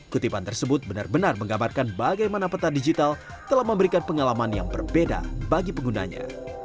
kutipan tersebut benar benar menggambarkan bagaimana peta digital telah memberikan pengalaman yang berbeda bagi penggunanya